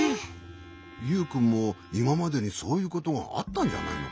ユウくんもいままでにそういうことがあったんじゃないのかい？